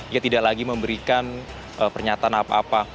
ia tidak lagi memberikan pernyataan apa apa